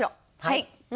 はい。